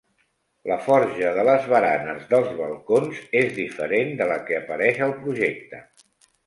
La forja de les baranes dels balcons és diferent de la que apareix al projecte.